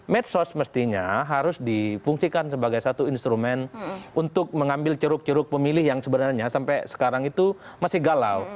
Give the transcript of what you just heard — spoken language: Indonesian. medsos mestinya harus difungsikan sebagai satu instrumen untuk mengambil ceruk jeruk pemilih yang sebenarnya sampai sekarang itu masih galau